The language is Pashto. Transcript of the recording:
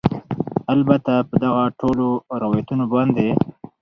البته په دغه ټولو روایتونو باندې